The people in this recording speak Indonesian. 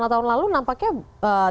nah tahun lalu nampaknya tidak begitu banyak